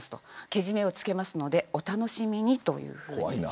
けじめをつけますのでお楽しみにというふうに。